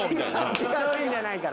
そういうんじゃないから。